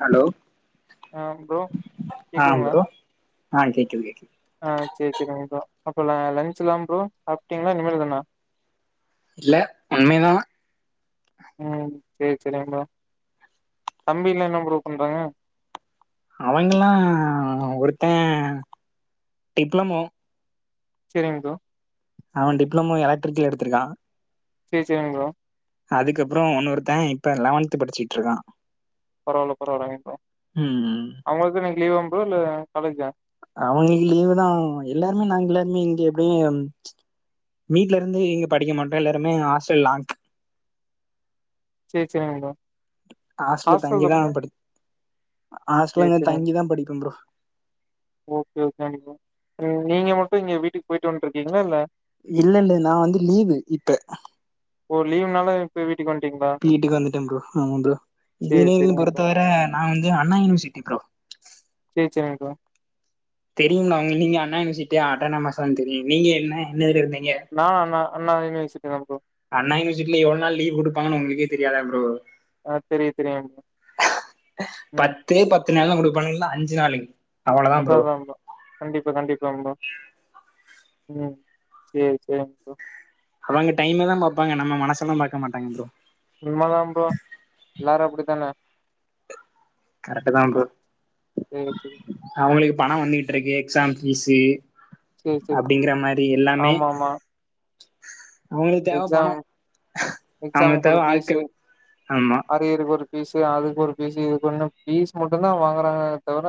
Hello ஆ bro ஆம் கேக்குதுங்களா ப்ரோ அ கேக்குது கேக்குது ஆ சேரி செரிங் ப்ரோ அப்போல லஞ்ச்லா ப்ரோ சாப்டீங்களா இனிமேல்தானா இல்ல இன்மேதானா ம் சேரி சேரிங் ப்ரோ தம்பிலா என்ன ப்ரோ பண்றாங்க அவேங்கலா ஒருத்தே டிப்ளமோ செரிங் ப்ரோ அவே டிப்ளமோ எலக்ட்ரிக்கல் எடுத்துருக்கா சேர் சேரிங் ப்ரோ அதுக்கப்றோ ஒன்னோருத்தே இப்ப லெவன்த்து படிச்சிட்ருக்கா பரவால்ல பரவாலங்க ப்ரோ ம் அவுங்களுக்கு இன்னக்கி லீவாங் ப்ரோ இல்ல காலேஜா அவங்களுக்கு லீவுதா எல்லாருமே நாங்க எல்லாருமே இங்க எப்டியு வீட்லருந்து இங்க படிக்க மாட்டோ எல்லாருமே ஹாஸ்டல் லாங் சேர் சேரிங் ப்ரோ ஹாஸ்டல்ல ஹாஸ்டல் தங்கிதா ப்ரோ படிப் ஹாஸ்ட்டல சேரி இங்க சேரிங்க தங்கிதா படிப்பே ப்ரோ ஓகே ஓகே கண்டிப்பா நீங்க மட்டு இங்க வீட்டுக்கு போயிட்டு வன்ட்ருக்கீங்களா இல்ல இல்லல்ல நா வந்து லீவு இப்ப ஓ லீவுனால இப்பே வீட்டுக்கு வண்டீங்களா வீட்டுக்கு வந்துட்டே ப்ரோ ஆமா ப்ரோ சேரி இதுல எதும் சேரிங்க ப்ரோ பொறுத்தவர நா வந்து அண்ணா யூனிவர்சிட்டி ப்ரோ சேரி செரிங்க ப்ரோ தெரியுனாங்க நீங்க அண்ணா யுனிவர்சிட்டியா அட்டானாமஸானு தெரியு நீங்க என்னா என்ன இதுல இருந்தீங்க நா அண்ணா அண்ணா யுனிவர்சிட்டி தா ப்ரோ அண்ணா யுனிவர்சிட்டில எவ்ளோ நாள் லீவ் குடுப்பாங்கன்னு உங்களுக்கே தெரியாதா ப்ரோ ஆ தெரியு தெரியு ப்ரோ ம் பத்தே பத்து நாளு தா குடுப்பாங்க இல்லனா அஞ்சு நாளைங் அம்டாகிராம் ப்ரோ கண்டிப்பா கண்டிப்பா ப்ரோ ம் சேரி சேரிங்க ப்ரோ அவங்க டைமதா பாப்பாங்க நம்ம மனசெல்லா பாக்க மாட்டங்க ப்ரோ உண்ம தா ப்ரோ எல்லாரு அப்டித்தானே கரெக்டு தா ப்ரோ ம் சேரி அவங்களுக்கு பணோ வந்துட்ருக்கு எக்ஸாம் பீஸு சேரி சேரி அப்டிங்கற மாரி எல்லாமே ஆமா ஆமா அவுங்களுக்கு தேவ பணோ எக்ஸாம் அவுங்ளுக் தேவ ஆள்கள் ஆமா பேருக்கு ஒரு பீஸு அதுக்கு ஒரு பீஸு இதுக்கொன்னு பீஸ் மட்டுந்தா வாங்குறாங்களே தவிர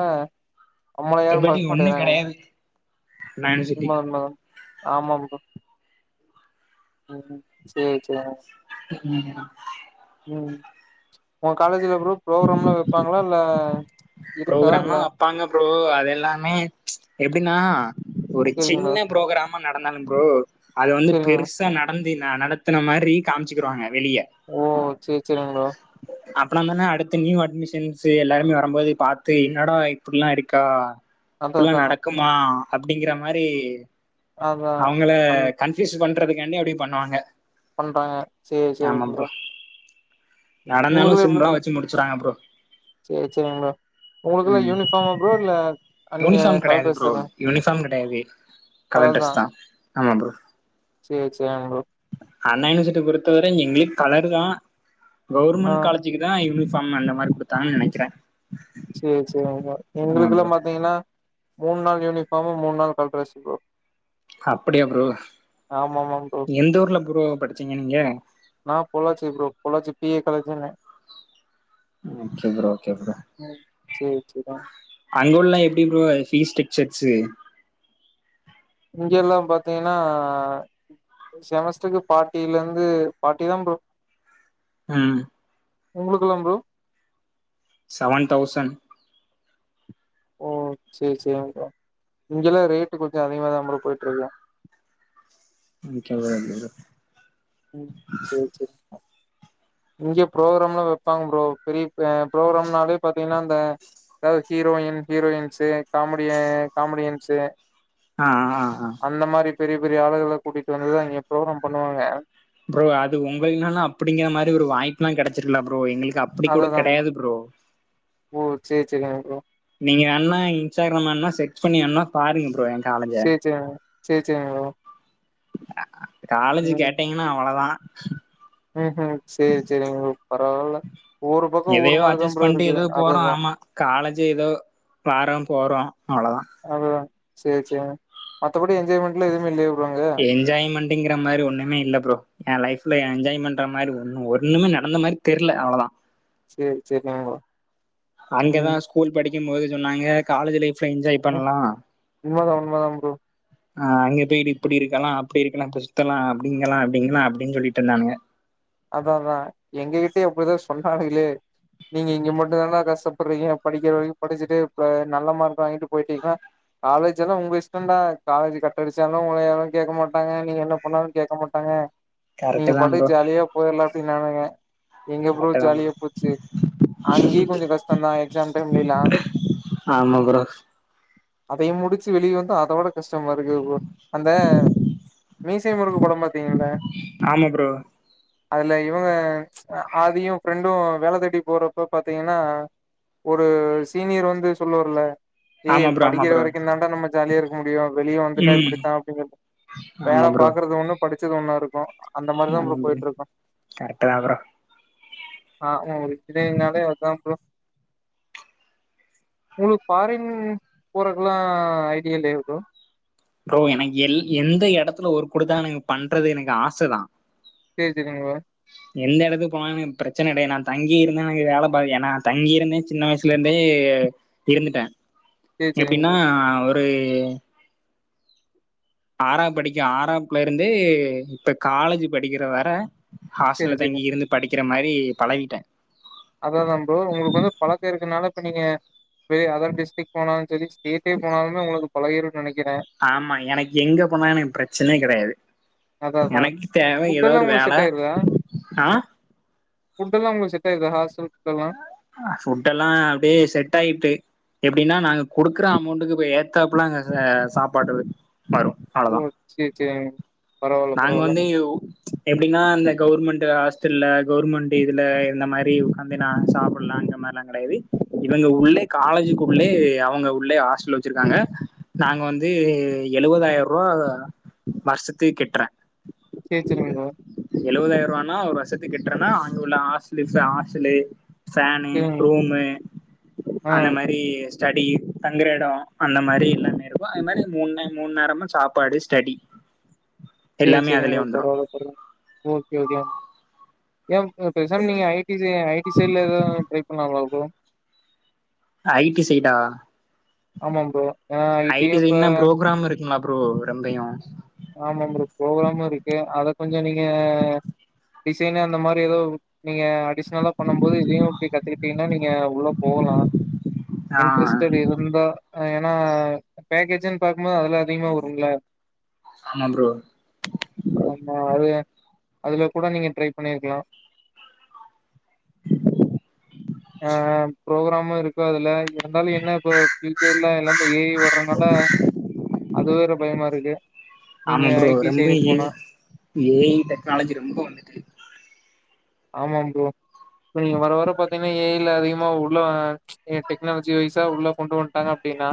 நம்மள யாரு பட் பாக் ஒன்றும் மாட்டேங்குறாங்க ப்ரோ கிடையாது அண்ணா உண்ம யூனிவர்சிட்டி உண்மதா ஆமா ப்ரோ ம் சேரி சேர் ம் ம் உங்க காலேஜுல ப்ரோ புரோகுராம்லா வப்பாங்களா இல்ல இருக்கா புரோகுராம்லா இல்ல வப்பாங்க ப்ரோ அது எல்லாமே எப்டின்னா ஒரு சேரிங்க ப்ரோ சின்ன புரோகுராமு நடந்தாலு ப்ரோ அத வந்து சேரிங்க பெருஸ் ஸா நடந்தி நடத்துன மாரி காம்ச்சுக்குருவாங்க வெளிய ஓ சேரி சேரிங் ப்ரோ அப்னாதான அடுத்த நியூ அட்மிஷன்ஸு எல்லாருமே வரம்போது பாத்து என்னாடா இப்புடிலா இருக்கா அதா இப்புல்லா அதா நடக் குமா அப்டிங்கற மாதிரி அதா அவுங்கள அந் கன் பியூஸ் பண்றதுக்காண்டி அப்டி பண்ணுவாங்க பண்றாங்க சேரி சேரிங் ப்ரோ நடந்தாலு சிம்முலா வச்சு முடிச்சுறாங்க ப்ரோ சேர் சேரிங் ப்ரோ உங்ளுக்குளா ம் யூனிஃபாமா ப்ரோ இல்ல அங்க யூனிஃபார்ம் கலர் கெடையாது ப்ரோ டிரெஸ்தானா யூனிஃபார்ம் கெடையாது கலர் டிரெஸ்தா ஆமா ப்ரோ சேரி சேரிங் ப்ரோ அண்ணா யுனிவர்சிட்டி பொறுத்தவர எங்ளுக் கலர்தா ஆ கவுர்மெண் காலே ஜிக்குதா யூனிஃபாம் அந்த மாரி குடுத்தாங்கன் நெனைக்கிற சேரி சேரிங் ப்ரோ எங்களுக்குலா ப்ரோ பாத்தீங்கனா மூணு நாள் யூனிஃபாமு மூணு நாள் கலர் டிரெஸு ப்ரோ அப்புடியா ப்ரோ ஆமா ஆமாங்க ப்ரோ எந்த ஊர்ல ப்ரோ படிச்சீங்க நீங்க நான் Pollachi bro Pollachi B A காலேஜின்னு ஒகே ப்ரோ ஒகே ப்ரோ ம். சேரி சேரி அங்க உள்ளா எப்டி ப்ரோ ஃபீஸ் ஸ்டக்சர்ஸு இங்க எல்லா பாத்தீங்கனா செமஸ்டர்க்கு ஃபாட்டிலர்ந்து ஃபாட்டிதான் ப்ரோ ம் உங்களுக்குலா ப்ரோ சவன் தௌசண் ஓ சேரி சேரிங்க ப்ரோ இங்கெல்லா ரேட்டு் கொஞ்சோ அதிகமாதான் ப்ரோ போய்ட்ருக்கு இன்னிக்கி எவுளோன் தெரில ம் சேரி சேரி இங்க புரோக்ராம்லா வப்பாங்க ப்ரோ பெரிய அ புரோகுராம்னாலே பாத்தீங்கனா அந்த எதாவ்து ஹீரோயின் ஹீரோயன்ஸு காமெடிய காமெடியன்ஸு ஆ ஆ ஆ அந்த மாரி பெரிய பெரிய ஆளுகள கூட்டிட்டு வந்துதா இங்க புரோக்ராம் பண்ணுவாங்க ப்ரோ அது உங்கள்லனா அப்டிங்கிற மாரி ஒரு வாய்ப்புலா கெடைச்சிருக்குல ப்ரோ எங்களுக்கு அப் அததான் ப்ரோ ஓ சேர் செரிங்க ப்ரோ நீங்க அண்ணா இன்ஸ்டாகிராம் வேணா செக் பண்ணி வேணா பாருங்க ப்ரோ என் காலேஜை சேர் சே சேர் செரிங்க ப்ரோ காலேஜு கேட்டீங்னா அவுளோதா ம் ம் செரி செரிங்க ப்ரோ பரவால்ல ஒவ்வொரு பக்கோ ஒவ்வொரு எதயோ மாரிதா அட்ஜஸ்ட் ப்ரோ பண்ணிட்டு இருக்குது ஏதோ போறோ அததா ஆமா காலேஜ் ஏதோ வாறோம் போறோம் அவ்ளோதா அதா செரி செரி மத்தபடி என்ஜாய்மெண்ட்லா எதுவுமே இல்லய ப்ரோ அங்க என்ஜாய்மெண்ட்ங்கற மாரி ஒண்ணுேமே இல்ல ப்ரோ என் லைஃப்ல என்ஜாய் பண்ற மாரி ஒன்ன ஒன்னுமே நடந்த மாரி தெர்ல அவ்வளவுதா செரி செரி ஆமா அங்கதான் ஸ்கூல் படிக்கும் போதே சொன்னாங்க காலேஜ் லைஃப் ப்ப என்ஜாய் ம். பண்லாம் உண்மதா உண்மதா ப்ரோ ஆ அங்க போயி்ட்டு இப்டி இருக்கலாம் அப்டி இருக்கலாம் இப்டி சுத்தலாம் அப்டிங்கலாம் அப்டிங்களாம் அப்டின்னு சொல்லிட்டுருந்தாங்க அதாதா எங்ககிட்டயு அப்டிதா சொன்னாங்களே நீங்க இங்க மட்டும் தானா கஷ்டப்படுறீங்க படிக்கற வர படிச்சுட்டு நல்ல மார்க் வாங்கிட்டு போயிட்டீங்கன்னா காலேஜ் எல்லா உங்க இஷ்டம்தா காலேஜ் கட்டடிச்சாலும் உங்கள யாரும் கேக்க மாட்டங்க நீங்க என்ன பண்ணாலும் கேக்க மாட்டங்க என்னங்க கரெக்டு நீங்க தான் ப்ரோ பாட்டுக்கு ஜாலியா போகுதுல்ல அப்டின்னானுங்க எங்க ப்ரோ கரெக்டு தான் ஜாலியா போச்சு அங்கியும் கொஞ்ச கஷ்டம்தா எக்ஸாம் டைம்லில்லாம் ஆமா ப்ரோ அதயும் முடிச்சு வெளிய வந்து அதோட கஸ்டமா இருக்கு ப்ரோ அந்த மீசய முருக்கு படம் பாத்தீங்கல்ல ஆமா ப்ரோ அதுல இவங்க ஆதியும் ஃப்ரெண்டும் வேல தேடி போறப்ப பாத்தீங்கன்னா ஒரு சீனியர் வந்து சொல்வார்ல்ல ஏய் ஆமா ப்ரோ ஆமா படிக்கற ப்ரோ வரைக்கும் தாண்டா நம்ம ஜாலியா இருக்க முடியு வெளிய வந்துட்டா ம் இப்டித்தா அப்டின்னு சொ வேல பாக்குறது ஒண்ணு படிச்சது ஒண்ணா இருக்கும் ஆமாம் ப்ரோ கரெக்டு தா ப்ரோ ஆ தெரியும்னாலே அதான் ப்ரோ உங்களுக்கு ஃபாரின் போறக்குலாம் ஐடியா இல்லயா ப்ரோ ப்ரோ எனக்கு எ எந்த எடத்துல ஒர்க் கொடுத்தாலும் எனக் பண்றது எனக்கு ஆச தா பேசிடுங்க எந்த எடத்துக்கு போனாலும் எனக்கு பிரச்சன கெடையது நான் தங்கி இருந்தே எனக்கு வேல பா ஏன்னா தங்கிரு இருந்தே சின்ன வயசு வீட்லந்தே இருந்துட்டேன் சேரி சேரிங்க எப்டின்னா ப்ரோ ஒரு ஆறாம் படிக் ஆறாப்ல இருந்து இப்ப காலேஜ் படிக்கற வர சேரி ஹாஸ்டல சேரி தங்கி இருந்து படிக்கற மாரி பழகிட்டேன் அதாதான் ப்ரோ உங்களுக்கு வந்து பழக்கம் இருக்கறனால இப்ப நீங்க வெ அதர் டிஸ்ட்ரிக் போனாலும் செரி [unintelligible] போனாலுமே உங்களுக்கு பழகிரும் நனைக்கறேன் ஆமா எனக்கு எங்க போனாலும் என் பிரச்சன கெடையாது அதா அதா எனக்கு தேவ ஃபுட் ஏதாவ எல்லா ஒரு உங்களுக்கு வேல செட் ஆயிருதா ஆ ஃபுட் எல்லாம் உங்களுக்கு செட்ட ஆயிட்தா ஹாஸ்டல் ஃபுட்டலாம் ஃபுட்டலாம் அப்டியே செட் ஆயிட்டு எப்டின்னா நாங்க குடுக்கற அமௌண்ட்டுக்கு இந்த ஏத்தப்பல அங்க சாப்பாடு வரும் ஓ அவ்ளதா சேரி சேரிங்க பரவால்ல நாங்க பரவால்ல வந்து எப்டின்னா இந்த கவுர்மெண்ட் ஹாஸ்டல்ல கவுர்மெண்ட் இதுல இந்த மாரி உக்காந்து என்ன சாப்லாம் அங்க மாரில்லாம் கடையாது இவங்க உள்ளே காலேஜக்கு உள்ளே அவங்க உள்ளே ஹாஸ்டல் வச்சுருக்காங்க நாங்க வந்து எழுதுவதாயிரம் ரூபாய் வந்து வருஷசத்துக்கு கட்றேன் சேரி சேரிங்கா ப்ரோ எழுவதாயிர ரூபானா ஒரு வருஷத்து கட்றேன்னா அதுல உள்ள ஹாஸ்டல் பீஸு ஹாஸ்டல்லு ஃபேனு சேரிங்க ப்ரோ ரூமு ஆ அந்த மாரி ஸ்டடி தங்குற எடோ அந்த மாரி எல்லாமே இருக்கு அது மாரி மூனு டைம் மூனு நேரோ சாப்பாடு ஸ்டடி ம் சேரி சேரி உங்க பரவாயில்லாங்க ஒகே ஒகே ஏ நீங்க பேசமா பீஸ்சு ஐ டி சைட்ல்ல எதாவது ட்ரை பண்ணாம்ள ப்ரோ ஐ டி சைடா ஆமா ப்ரோ ஏனா ஐ டியே இப்ப என்ன ப்ரோ ரொம்பையு ஆமா ப்ரோ புரோக்ராமு இருக்கு அத கொஞ்ச நீங்க டிசைன்னு அந்த மாரி ஏதோ நீங்க அடிஷ்னலா பண்ணும் போது இதயு இப்டி கத்துக்கிட்டீங்னா நீங்க உள்ள போகலா ஆ இன்ட்ரெஸ்ட்டடு இருந்தா ஏன்னா பேக்கேஜன்னு பாக்கும்போது அதுல அதிகமா வரும்ல ஆமா ப்ரோ ஆமா அது அதுல கூட நீங்க ட்ரை பண்ணி இருக்கலா ஆ ஆ ப்ரோக்ராமு இருக்கு இப்போ அதுல இருந்தாலு என்ன இப்போ பியூச்சர்ல எல்லாமே ஏ ஐ வர்றதுனால அது வேற பயமா இருக்கு நீங்க ஆமா ப்ரோ ஐ டி ரெம்ப சைடு ஏ போனா ஐ ஏ ஐ டெக்னாலஜி ரெம்போ ஆமா ப்ரோ இப்ப நீங்க வர வர பாத்தீங்கனா ஏ ஐ ல அதிகமா உள்ள டெக்னாலஜி வய்சா உள்ள கொண்டு வந்துட்டாங்க அப்டினா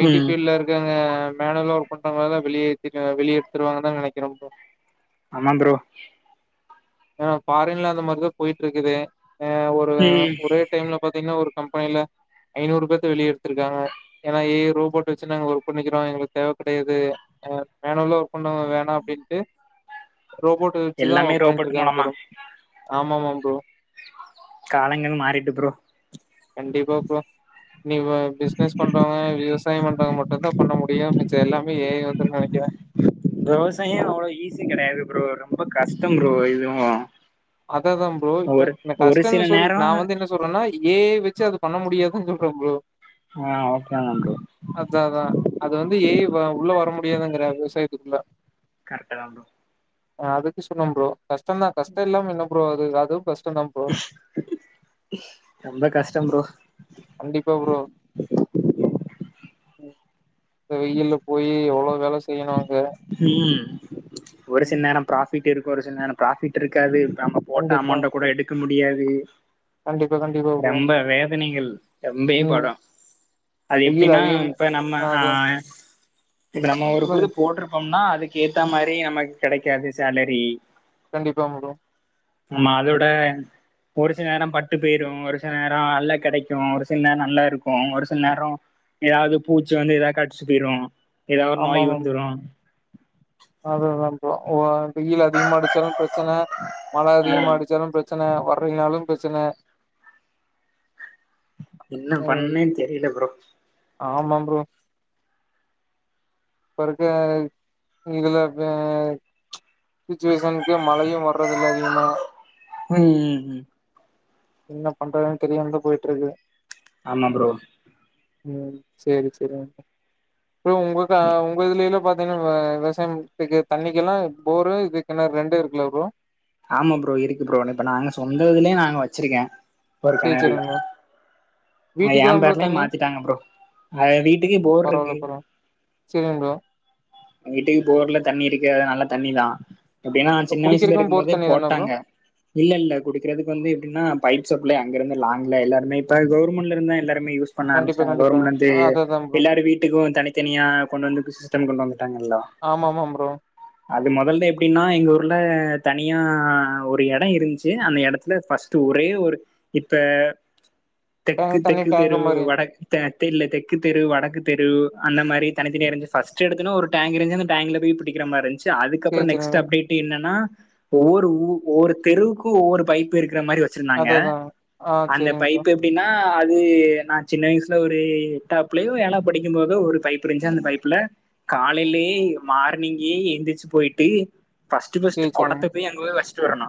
ஐ டி ம் பீட்ல இங்க மேலல ஒர்க் பண்றவங்கள தா வெளியே வெளிய எடுத்துடுவாங்கனு தா நெனக்குறே ப்ரோ ஆமாம் ப்ரோ ஏன்னா ஃபாரின்ல அந்த மாரிதா போயிட்டு இருக்குது ஆ ஒரு ம் ஒரே டைம்ல பாத்தீங்கனா ஒரு கம்பெனில ஐநூறு பேத்தா வெளிய எடுத்துருக்காங்க ஏன்னா ஏ ஐ ரோபோட் வச்சு நாங்க ஒர்க் பண்ணிக்குறோ எங்களுக்கு தேவ கெடயாது ஆ மேல உள்ள ஒர்க் பண்ணறவங்க வேணா அப்டின்ட்டு ரோபோட் வச்சு தா எல்லாமே ஒர்க் பண்ணிட்டு ரோபோட் இருக்காங்க மூலமா ப்ரோ ஆமா ஆமா ப்ரோ காலங்கள் மாறிட்டு ப்ரோ கண்டிப்பா ப்ரோ நீ பிசினஸ் பண்றவாங்க விவசாயம் பண்றவாங்க மட்டுதா பண்ண முடியு மிச்ச எல்லாமே ஏ ஐ வந்துருன்னு நெனக்குறே விவசாயோ அவ்வளவு ஈஸி கெடயாது ப்ரோ ரொம்ப கஷ்டோ ப்ரோ இதுவு அத தா ப்ரோ ஒரு இப்ப ஒரு கஷ்டம்ன்னு சில சொல்லு நேரோ நா வந்து என்ன சொல்றேன்னா ஏ ஐ வச்சு அது பண்ண முடியாதுன் சொல்றே ப்ரோ ஆ ஓகே வந்து அதா அதா அது வந்து ஏ ஐ உள்ள வர முடியாதுங்குறே விவசாயத்துக்குள்ள கரெட்டு தா ப்ரோ அதுக்கு சொன்னே ப்ரோ கஷ்ட்ந்தா கஷ்ட இல்லாம என்ன ப்ரோ அது அதுவு கஷ்டந்தா ப்ரோ ரொம்ப கஷ்டம் ப்ரோ கண்டிப்பா ப்ரோ இந்த வெயில்ல போயி எவ்ளோ வேல செய்யனு அங்க ம் ஒரு ம். சில நேரோ ப்ராபிட் இருக்கு ஒரு சில நேரோ ப்ராபிட் இருக்காது இப்ப நம்ப போட்ட கண்டிப்பா. அமொளண்ட கூட எடுக்க முடியாது கண்டிப்பா, கண்டிப்பா ப்ரோ. ரொம்ப வேதனைகள் ரொம்பே ம். படு அது வெயில் எப்டின்னா அதிகம் இப்ப நம்ம ஆ அதான் இப்ப நம்ப ஒரு குழு சொல்லுங்க. போடுறோ போடுறோம்னா அதுக்கு ஏத்தா மாரி நமக்கு கெடைக்காது சேலரி கண்டிப்பா ஆமா ப்ரோ ஆமா அதோட ஒரு சில நேரம் பட்டு போயிரு ஒரு சில நேரொ நல்லா கெடைக்கு ஒரு சில நேரொ நல்லாருக்கு ஒரு சில நேரொ எதாவது பூச்சி வந்து எதாவது கடிச்சுட்டு போயிரு எதாவது ஒரு நோய் வந்துரு அவ்லதா ப்ரோ ஓ வெயில் அதிகமா அடிச்சாலு ப்ரச்சன மழை அதிகமா ஆஹ் அடிச்சாலு பிரச் ப்ரச்சன வர்லிங்கனாலு ப்ரச்சன என்ன ம் பண்ணேன் தெரில ப்ரோ ஆமா ப்ரோ இப்பருக்க இதுல பேய் சிச்சுவேஷனுக்கு மழையு வர்றது இல்ல அதிகமா ம் ம் ம் என்ன பண்றதுன் தெரியாமதா போயிட்ருக்கு ஆமா ப்ரோ ம் சேரி சேரிங்க ப்ரோ உங்கள்க்கு உங்க இதுல இல்ல பாத் வ விவசாயம்த்க்கு தண்ணிக்கெல்லா போரு இது கெணறு ரெண்டு இருக்குல ப்ரோ ஆமா ப்ரோ இருக்கு ப்ரோ இப்ப நாங்க சொந்த இதுலயே நாங்க வச்சிருக்கே ஒரு சேரி கெணறுல சேரிங்க மா வீட்டுக்குலா ப்ரோ ஏம்பேர்லயே தண்ணி மாத்திட்டாங்க ப்ரோ பழய வீட்டுக்கே போர்ருக்கு செரிங்க ப்ரோ எங்க வீட்டுக்கு போர்ல தண்ணி இருக்கு அது நல்ல தண்ணிதா எப்டினா ப்ரோ சின்ன வயசுல குடிக்கிறக்கு போர் இருக்கும்போதே தண்ணி தான ப்ரோ போட்டாங்க இல்ல இல்ல குடிக்கறதுக்கு வந்து எப்டினா பைப் சப்ளை அங்கருந்து லாங்ல எல்லாருமே இப்ப கவர்மெண்ட்ல இருந்துதா எல்லாருமே யூஸ் பண்ண கண்டிப்பா ஆரமிச்சுட்டாங்க கண்டிப்பா கவர்மெண்ட்லருந்து அததா ப்ரோ எல்லார் வீட்டுக்கும் தனித்தனியா கொண்டு வந்து சிஸ்டம் கொண்டு வந்து இன்னு இல்லா ஆமா ஆமா ப்ரோ அது மொதல்ல எப்டினா எங்க ஊர்ல தனியா ஒரு எடொ இருந்துச்சு அந்த எடத்துல ஃபஸ்ட்டு ஒரே ஒரு இப்ப தெக்கு டேங்க் தண்ணி தெக்கு தெரு டேங்கு மாரி வடக் த தெரில தெக்கு தெரு வடக்கு தெரு அந்த மாதிரி தனித்தனியா இருந்துச்சு ஃபஸ்ட் எடுத்தோனே ஒரு டேங்க இருந்தது டேங்க்ல போய் புடிக்கிற மாதிரி இருந்துச்சு அதுக்கப்றொ சேரி நெக்ஸ்ட் சேரிங்க அப்டேட் என்னன்னா ஒவ்வொரு உஊ ஒவ்வொரு தெருவுக்கு ஒவ்வொரு பைப் இருக்குற மாரி வசதி ச்சிருந்தாங்க அதா அதா ஆ அந்த சேரிங்க ப்ரோ பைப் எப் னா அது நா சின்ன வயசுல ஒரு எட்டாப்புலயோ ஏழாவது படிக்கும்போதோ ஒரு பைப் இருந்துச்சு அந்த பைப்புல காலையிலே மார்னிங்கே எந்திரிச்சு போய்ட்டு ஃபஸ்ட்டு ஃபஸ்ட் சேரி சேரிங்க கொடத்த போய் அங்க போய் வச் டு வரணு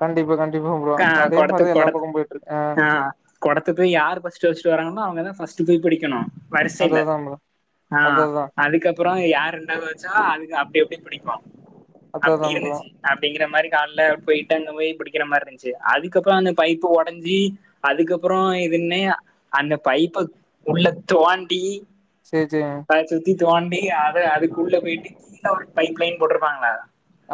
கண்டிப்பா கண்டிப்பா ப்ரோ அதே மாரிதா எல்லா பக்கொ போய்ட்டுருக் ஆ கொடத்த போய் யார் ஃபர்ஸ்ட்டு வச்ட்டு வராங்களோ அவங்கதா ஃபர்ஸ்ட் போய் புடிக்கணு வரிசைல அதா அதா ப்ரோ ஆ அதா அதா அதுக்கப் அப்புறம் யார் ரெண்டாவது வெச்சா அதுங்க அப்டி அப்டியே புடிப்போ அதா அப்டி அதா ப்ரோ இருந்துச்சி அப்டிங்கற மாரி கால்ல போய்ட்டு அங்க போய் புடிக்கிற மாரி இருந்ச்சு அதுக்கப்றொ அந்த பைப்பு ஒடஞ்சி அதுக்கப்றொ இதுன்னே அந்த பைப்ப உள்ள தோண்டி சேரி செரிங்க அத சுத்தி தோண்டி அத அதுக்குள்ள போய்ட்டு கீழ ஒரு பைப்லைன் போட்ருப்பாங்கல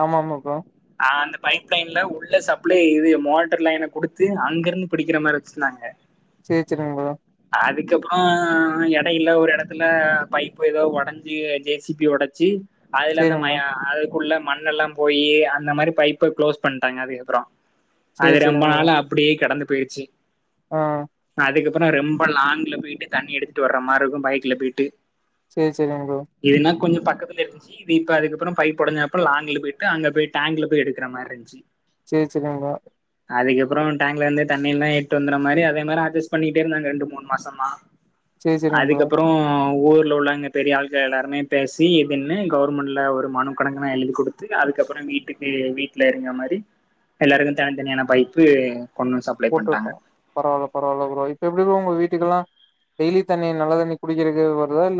ஆமா ஆமா ப்ரோ ஆ அந்த பைப் லைன்ல உள்ள சப்ளை இது மோட்டர் லைன குடுத்து அங்கருந்து புடிக்கிற மாரி இருக் சொன்னாங்க சேர் செரிங்க ப்ரோ அதுக்கப்றொ எடொ இல்ல ஒரு எடத்துல பைப்பு ஏதோ ஒடஞ்சி ஜேசிபி ஒடச்சி அதுல சேரிங்க ப்ரோ நம்மய அ குள்ள மண்ணெல்லா போயி அந்த மாரி பைப்ப க்ளோஸ் பண்ணிட்டாங்க அதுக்கப்புறம் சேரி அது ரொம்ப சேரிங்க நாளா அப் அப்டியே கடந்து போயிச்சு ஆன் அதுக்கப்புறம் ரொம்ப லாங்க்ல போயிட்டு தண்ணி எடுத்துட்டு வர்ற மார்ருக்கும் பைக்ல போயிட்டு சேர் செரிங்க ப்ரோ இதுனா கொஞ்சம் பக்கத்துல இருந்துச்சு டீப் இப்ப அதுக்கப்பறம் பைப் ஒடஞ்ச அப்ப லாங்கல போயிட்டு அங்க போய் டேங்க்ல போய் எடுக்கற மாரி இருந்துச்சு சேர் செரிங்க ப்ரோ அதுக்கப்புறம் டேங்க்லருந்து தண்ணில்லா எட்டு வந்தற மாரி அதே மாரி அட்ஜட்ஸ் பண்ணிட்டேருந்தாங்க ரெண்டு மூண மாசமா சேரி சேரிங்க ப்ரோ அதுக்கப்புறம் ஊர் உள்ளங்க பெரிய ஆள்கள் எல்லாருமே பேசி இதுன்னு கவர்ன்மெண்ட்ல ஒரு மனுக்கணங்க நா எழுதி கொடு த்து அதுக்கப்புறம் வீட்டுக்கு வீட்ல இருங்க மாரி எல்லாருக்கு தனித்தனியான பைப்பு கொண்ணு சாப் போட்டுட்டன் பரவால பரவால ப்ரோ இப்ப எப்டி ப்ரோ ஒங்க வீட்டுக்கெல்லாம் டெய்லி தண்ணி நல்ல தண்ணி குடிக்கறக்கு வருதா இல்ல